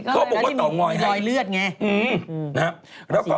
เขาบอกว่าเต่าง้อยให้แล้วที่มีรอยเลือดไง